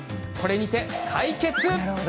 これにて解決！